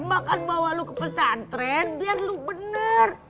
makan bawah lu ke pesantren biar lu bener